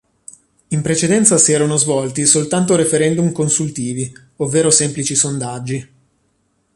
In precedenza si erano svolti soltanto referendum consultivi, ovvero semplici sondaggi.